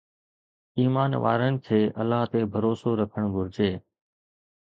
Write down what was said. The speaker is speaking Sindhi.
ايمان وارن کي الله تي ڀروسو رکڻ گهرجي.